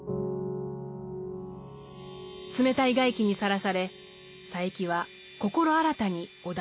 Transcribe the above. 冷たい外気にさらされ佐柄木は心新たに尾田に語ります。